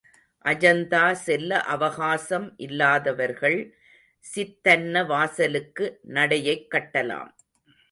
அஜந்தா செல்ல அவகாசம் இல்லாதவர்கள் சித்தன்ன வாசலுக்கு நடையைக் கட்டலாம்.